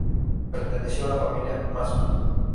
Perteneció a la familia Mazo.